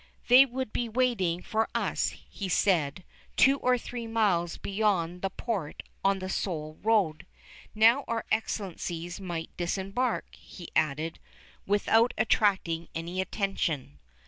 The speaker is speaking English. They would be waiting for us, he said, two or three miles beyond the port on the Seoul road. Now our Excellencies might disembark, he added, without attracting any attention.